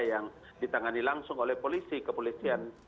yang ditangani langsung oleh polisi kepolisian